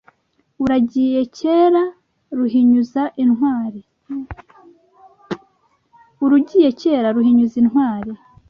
Urugiye kera ruhinyuza intwari.